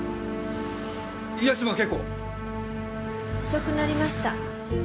遅くなりました。